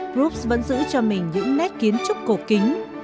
brux vẫn giữ cho mình những nét kiến trúc cổ kính